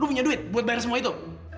aku punya duit buat bayar semua itu